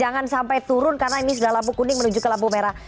jangan sampai turun karena ini sudah lampu kuning menuju ke lampu merah